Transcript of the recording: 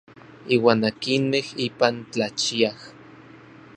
Iuan akinmej ipan tlachiaj.